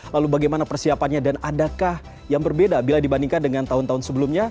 lalu bagaimana persiapannya dan adakah yang berbeda bila dibandingkan dengan tahun tahun sebelumnya